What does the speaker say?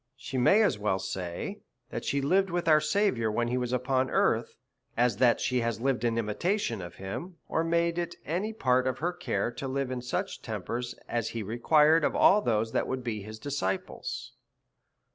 She may as well say, that she lived with our Saviour when he was upon earth, as that she has lived in imi tation of him, or made it any part of her care to live in such tempers as he required of all those that would be DEVOUT AND HOLY LIFE. 74 his disciples.